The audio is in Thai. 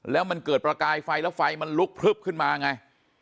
แล้วมันเกิดประกายไฟแล้วไฟมันลุกพลึบขึ้นมาไง